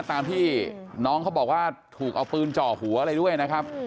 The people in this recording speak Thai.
ตามที่น้องเขาบอกว่าถูกเอาปืนเจาะหัวอะไรด้วยนะครับ